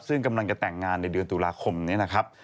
ซึ่งกำลังจะแต่งงานในเดือนตุลาคมนี้นะครับ